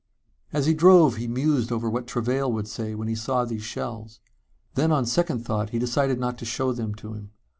As he drove he mused over what Travail would say when he saw these shells. Then on second thought, he decided not to show them to him.